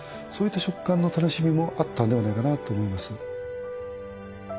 そういった食感の楽しみもあったんではないかなと思います。